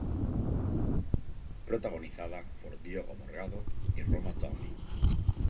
Protagonizada por Diogo Morgado y Roma Downey.